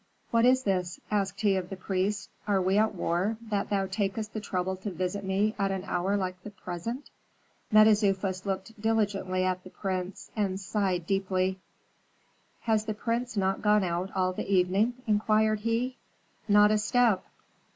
"What is this?" asked he of the priest. "Are we at war, that thou takest the trouble to visit me at an hour like the present?" Mentezufis looked diligently at the prince, and sighed deeply. "Has the prince not gone out all the evening?" inquired he. "Not a step."